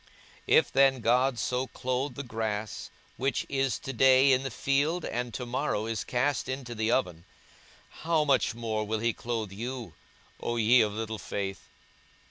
42:012:028 If then God so clothe the grass, which is to day in the field, and to morrow is cast into the oven; how much more will he clothe you, O ye of little faith?